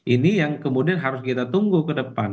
ini yang kemudian harus kita tunggu ke depan